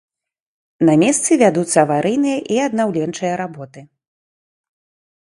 На месцы вядуцца аварыйныя і аднаўленчыя работы.